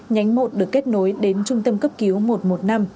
nhánh một được kết nối đến trung tâm cấp cứu một trăm một mươi năm